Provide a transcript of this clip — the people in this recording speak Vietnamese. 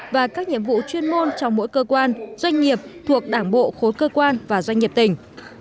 và các nhiệm vụ chuyên môn trong mỗi cơ quan doanh nghiệp thuộc đảng bộ khối cơ quan và doanh nghiệp tỉnh